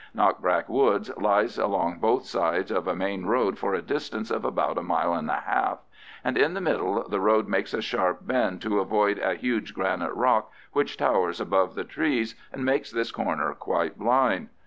Knockbrack Wood lies along both sides of a main road for a distance of about a mile and a half, and in the middle the road makes a sharp bend to avoid a huge granite rock which towers above the trees and makes this corner quite blind.